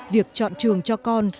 việc chọn trường cho con